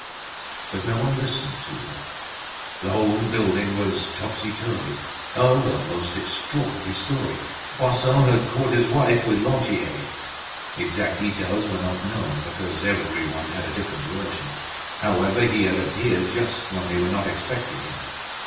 But no one listened to her. The whole building was topsy turvy. Oh! a most extraordinary story. Poisson had caught his wife with Lantier. Exact details were not known, because everyone had a different version. However, he had appeared just when they were not expecting him.